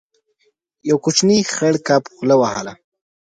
يو کوچنی خړ کب خوله وهله.